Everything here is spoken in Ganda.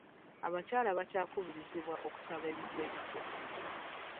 Abakyala bakyakubirizibwa okusaba ebifo ebipya.